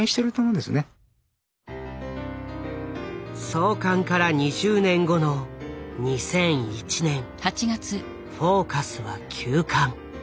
創刊から２０年後の２００１年「フォーカス」は休刊。